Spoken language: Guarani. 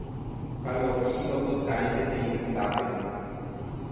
Kalo'i ndopytái peteĩ hendápe.